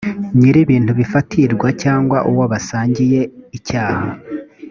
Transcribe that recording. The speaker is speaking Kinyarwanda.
nyir’ibintu bifatirwa cyangwa uwo basangiye icyaha